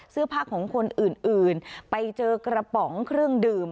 เสื้อผ้าของคนอื่นไปเจอกระป๋องเครื่องดื่ม